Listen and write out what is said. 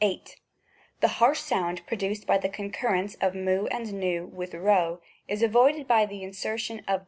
The harsh sound produced by the concurrence of /Li and V with p, is avoided by the insertion of